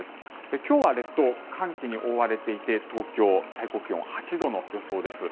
今日は列島、寒気に覆われていて東京、最高気温８度の予想です。